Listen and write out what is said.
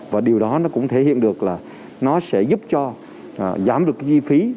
và điều đó nó cũng thể hiện được là nó sẽ giúp cho giảm được chi phí